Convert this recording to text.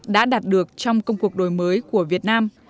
đã đạt được trong công cuộc đổi mới của việt nam